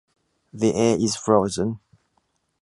The air is frozen.